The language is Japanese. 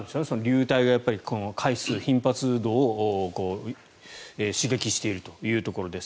流体が回数、頻発度を刺激しているというところです。